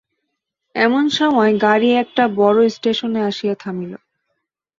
এমন সময় গাড়ি একটা বড়ো স্টেশনে আসিয়া থামিল।